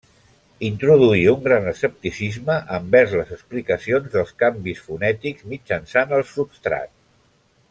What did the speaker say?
Introduí un gran escepticisme envers les explicacions dels canvis fonètics mitjançant el substrat.